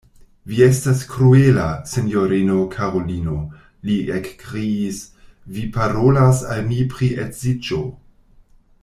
Vi estas kruela, sinjorino Karolino, li ekkriis, vi parolas al mi pri edziĝo!